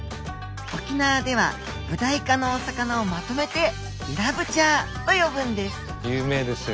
沖縄ではブダイ科のお魚をまとめてイラブチャーと呼ぶんです有名ですよね。